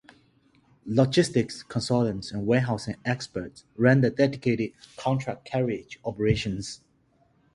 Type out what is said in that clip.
Logistics consultants and warehousing experts ran the dedicated, contract carriage operations.